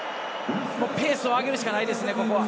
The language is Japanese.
ペースを上げるしかないですね、ここは。